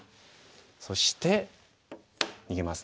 そして逃げます。